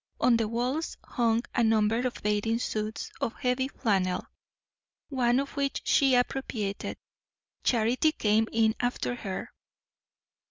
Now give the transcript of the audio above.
On the walls hung a number of bathing suits of heavy flannel, one of which she appropriated. Charity came in after her.